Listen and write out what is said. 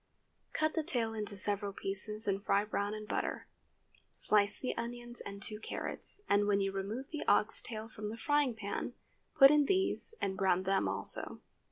Cut the tail into several pieces and fry brown in butter. Slice the onions and two carrots, and when you remove the ox tail from the frying pan, put in these and brown them also.